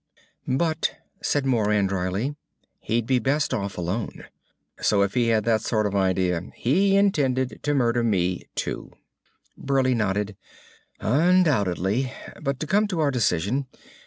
"But," said Moran drily, "he'd be best off alone. So if he had that sort of idea, he intended to murder me too." Burleigh nodded. "Undoubtedly. But to come to our decision.